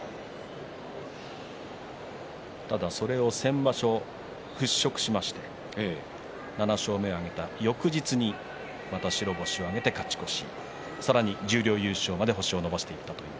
ただ、それは先場所払拭しまして７勝目を挙げた翌日にまた白星を挙げて勝ち越しさらに、十両優勝まで星を伸ばしました。